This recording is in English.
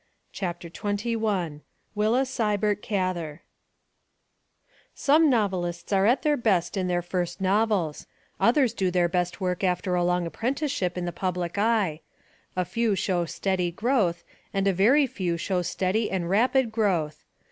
CHAPTER XXI WILLA SIBERT GATHER SOME novelists are at their best in their first novels; others do their best work after a long apprenticeship in the public eye; a few show steady growth and a very few show steady and rapid growth.